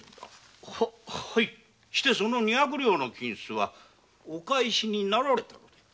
してその二百両の金子はお返しになられたので？